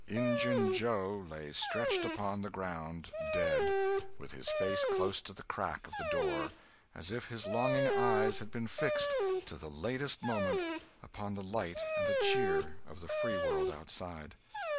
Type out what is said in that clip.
Injun Joe lay stretched upon the ground, dead, with his face close to the crack of the door, as if his longing eyes had been fixed, to the latest moment, upon the light and the cheer of the free world outside.